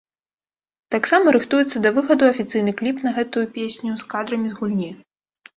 Таксама рыхтуецца да выхаду афіцыйны кліп на гэтую песню з кадрамі з гульні.